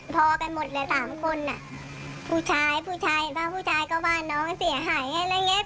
พอกันหมดเลยสามคนอ่ะผู้ชายผู้ชายบ้านผู้ชายก็ว่าน้องเสียหายอะไรอย่างเงี้ย